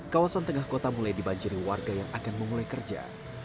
kawasan tengah kota mulai dibanjiri warga yang akan memulai kerja